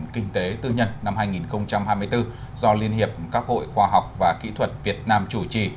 kinh tế tư nhân năm hai nghìn hai mươi bốn do liên hiệp các hội khoa học và kỹ thuật việt nam chủ trì